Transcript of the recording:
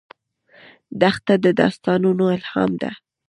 دښته د داستانونو الهام ده.